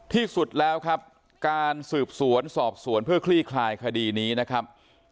ที่สุดแล้วครับการสืบสวนสอบสวนเพื่อคลี่คลายคดีนี้นะครับ